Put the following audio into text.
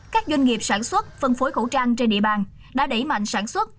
các doanh nghiệp sản xuất phân phối khẩu trang trên địa bàn đã đẩy mạnh sản xuất